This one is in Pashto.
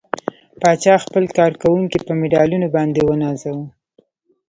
پاچا خپل کارکوونکي په مډالونو باندې ونازوه.